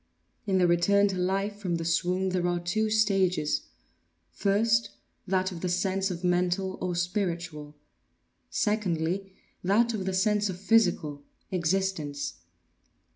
In the return to life from the swoon there are two stages; first, that of the sense of mental or spiritual; secondly, that of the sense of physical, existence.